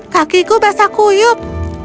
kakiku basah kuyuk